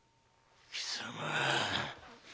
貴様！